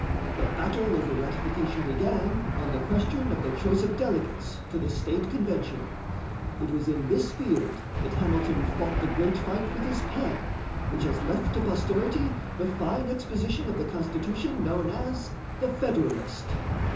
The battle over ratification began on the question of the choice of delegates to the state convention. It was in this field that Hamilton fought the great fight with his pen which has left to posterity the fine exposition of the Constitution known as "The Federalist."